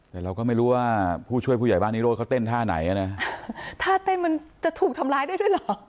แต่เราก็ไม่รู้ว่าผู้ช่วยผู้ใหญ่บ้านนิโรธเขาเต้นท่าไหนอ่ะนะท่าเต้นมันจะถูกทำร้ายได้ด้วยเหรอ